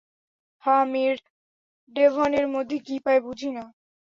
হাহ, মির ডেভনের মধ্যে কী পায়, বুঝি না।